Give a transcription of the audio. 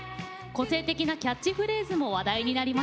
個性的なキャッチフレーズも話題になりました。